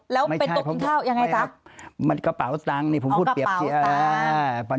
แล้วเป็นตกกินข้าวยังไงจ๊ะมันกระเป๋าตังนี่ผมพูดเปรียบอ่า